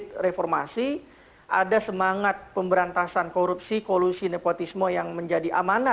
tap mpr pak muncik itu ada semangat pemberantasan korupsi kolusi nepotisme yang menjadi amanat